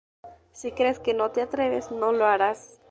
Si crees que no te atreves, no lo harás".